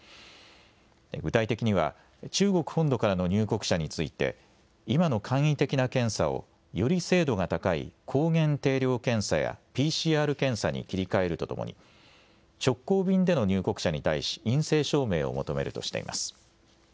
具体的には、中国本土からの入国者について、今の簡易的な検査をより精度が高い抗原定量検査やＰＣＲ検査に切り替えるとともに、直行便での入国者に対し、陰性証明を求めるとしています。